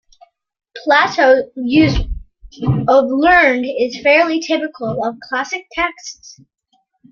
Plato's use of "learned" is fairly typical of Classical texts.